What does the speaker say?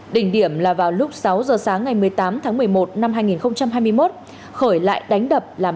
đỉnh điểm là vào lúc sáu giờ sáng ngày một mươi tám tháng một mươi một năm hai nghìn hai mươi một